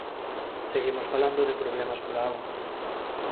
Seguimos falando de problemas pola auga.